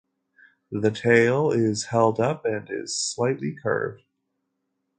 The tail is held up and is slightly curved.